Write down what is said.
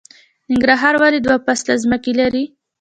ننګرهار ولې دوه فصله ځمکې لري؟